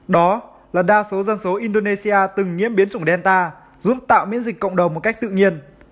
đó là đa số dân số indonesia từng nhiễm biến chủng delta giúp tạo miễn dịch cộng đồng một cách tự nhiên